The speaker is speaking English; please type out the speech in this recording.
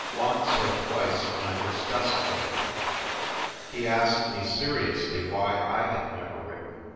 Once or twice when I discussed with him he asked me seriously why I had never written.